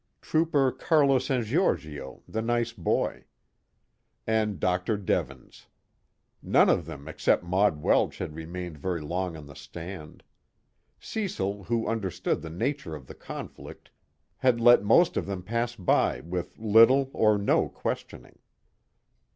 Trooper Carlo San Giorgio the nice boy. And Dr. Devens. None of them except Maud Welsh had remained very long on the stand; Cecil who understood the nature of the conflict had let most of them pass by with little or no questioning.